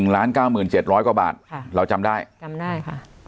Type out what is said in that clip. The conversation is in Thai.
๑ล้านก้าวหมื่นเจ็ดร้อยกว่าบาทเราจำได้จำได้ค่ะ